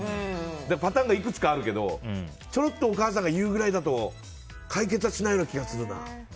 パターンがいくつかあるけどちょろっとお母さんが言うぐらいだと三木さんはいかがですか。